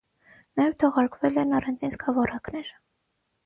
Նաև թողարկվել են առանձին սկավառակներ։